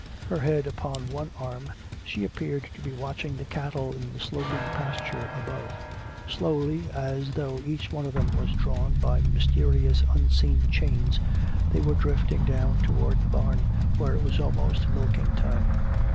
Her head upon one arm, she appeared to be watching the cattle in the sloping pasture above. Slowly, as though each one of them was drawn by mysterious unseen chains, they were drifting down toward the barn where it was almost milking time.